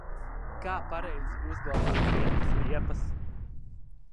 Kā pareizi uzglabāt ziemas riepas?